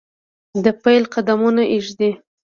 دپیل قدمونه ایږدي